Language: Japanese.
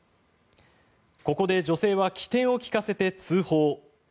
ここで女性は機転を利かせて通報。